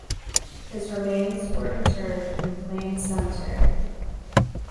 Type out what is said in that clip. His remains were interred in Plain Cemetery.